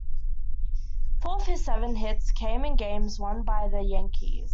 Four of his seven hits came in games won by the Yankees.